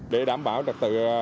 để đảm bảo trật tự